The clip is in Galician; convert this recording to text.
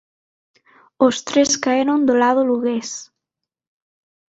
Os tres caeron do lado lugués.